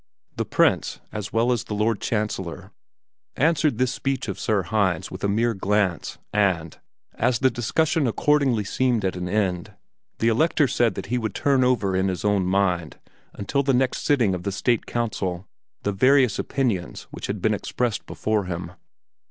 The Prince, as well as the Lord Chancellor, answered this speech of Sir Hinz with a mere glance, and, as the discussion accordingly seemed at an end, the Elector said that he would turn over in his own mind, until the next sitting of the State Council, the various opinions which had been expressed before him.